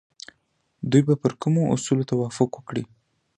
دوی به پر کومو اصولو توافق وکړي؟